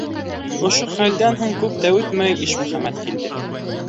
Ошо хәлдән һуң күп тә үтмәй, Ишмөхәмәт килде.